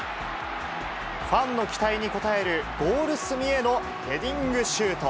ファンの期待に応えるゴール隅へのヘディングシュート。